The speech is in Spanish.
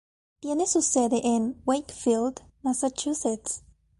Tiene su sede en Wakefield, Massachusetts.